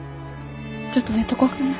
ちょっと寝とこうかな。